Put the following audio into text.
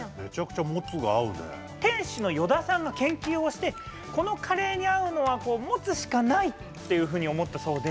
店主の依田さんが研究をしてこのカレーに合うのはモツしかない！っていうふうに思ったそうで。